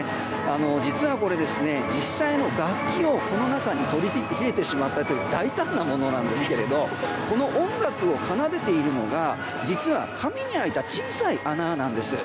実はこれ、実際の楽器をこの中に取り入れてしまったという大胆なものなんですけどこの音楽を奏でているのが実は、紙に開いた小さい穴なんですよ。